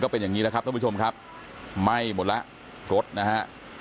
ก็เป็นอย่างงี้แหละครับผู้ชมข้าบไหม้หมดละกดนะฮะ